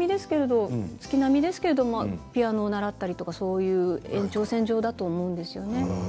月並みですけれどピアノを習ったりとか、そういった延長線上だと思います。